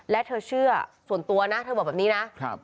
และเธอเชื่อส่วนตัวนะเธอบอกแบบนี้นะ